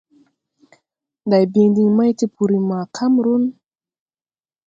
Ndáy ɓin diŋ may tupuri ma Kamrun.